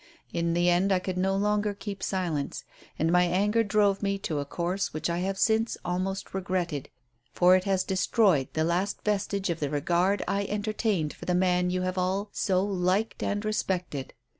In the end I could no longer keep silence, and my anger drove me to a course which I have since almost regretted, for it has destroyed the last vestige of the regard I entertained for the man you have all so liked and respected.